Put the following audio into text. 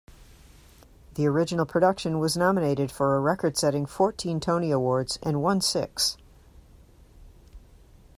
The original production was nominated for a record-setting fourteen Tony Awards and won six.